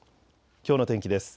きょうの天気です。